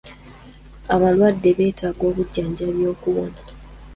Abalwadde beetaaga obujjanjabi okuwona.